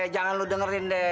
jangan lo dengerin de